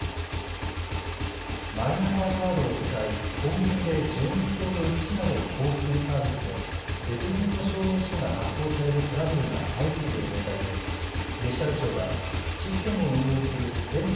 マイナンバーカードを使いコンビニで住民票の写しなどを交付するサービスで別人の証明書が発行されるトラブルが相次いでいる問題でデジタル庁はシステムを運営する全国